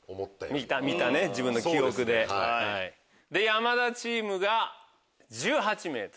山田チームが１８ｍ。